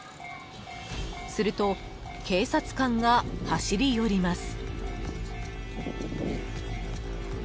［すると警察官が走り寄ります］